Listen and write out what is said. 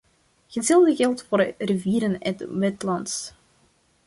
Hetzelfde geldt voor rivieren en wetlands.